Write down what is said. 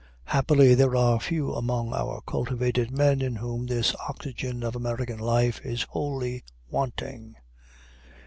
Happily, there are few among our cultivated men in whom this oxygen of American life is wholly wanting.